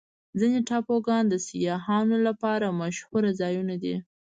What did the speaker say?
ځینې ټاپوګان د سیاحانو لپاره مشهوره ځایونه دي.